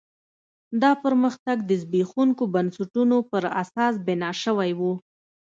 دا پرمختګ د زبېښونکو بنسټونو پر اساس بنا شوی و.